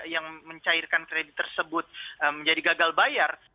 yang mencairkan kredit tersebut menjadi gagal bayar